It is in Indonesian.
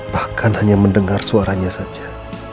bahkan hanya mendengar suaranya saja